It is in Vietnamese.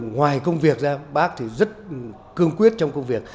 ngoài công việc ra bác thì rất cương quyết trong công việc